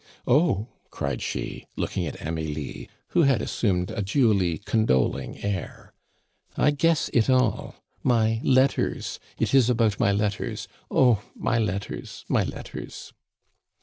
"Oh!" cried she, looking at Amelie, who had assumed a duly condoling air, "I guess it all my letters! It is about my letters. Oh, my letters, my letters!"